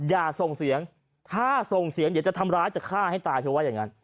อย่าส่งเสียงถ้าส่งเสียงเดี๋ยวจะทำร้ายจะฆ่าให้ตายเธอว่าอย่างนั้น